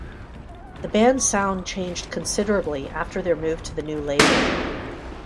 The band's sound changed considerably after their move to the new label.